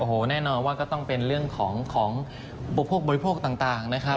โอ้โหแน่นอนว่าก็ต้องเป็นเรื่องของอุปโภคบริโภคต่างนะครับ